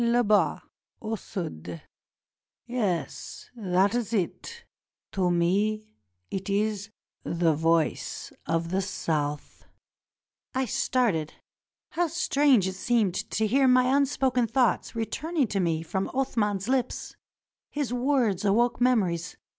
Id has, au sud. Yes, that is it; to me it is the Voice of the South." I started. How strange it seemed to hear my unspoken thoughts returning to me from Athman's lips. His words awoke memories.